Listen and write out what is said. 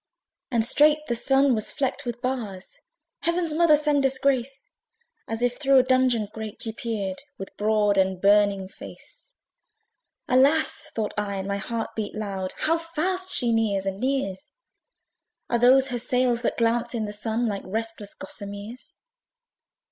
And straight the Sun was flecked with bars, (Heaven's Mother send us grace!) As if through a dungeon grate he peered, With broad and burning face. Alas! (thought I, and my heart beat loud) How fast she nears and nears! Are those her sails that glance in the Sun, Like restless gossameres!